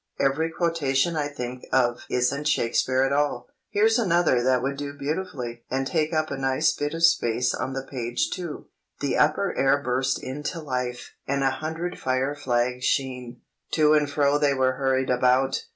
Every quotation I think of isn't Shakespeare at all. Here's another that would do beautifully (and take up a nice bit of space on the page too), 'The upper air burst into life! And a hundred fire flags' sheen, To and fro they were hurried about!